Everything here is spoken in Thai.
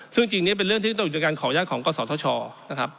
ซึ่งจริงนี้เป็นเรื่องที่ต้องอยู่ในการขออนุญาตของกศธชนะครับ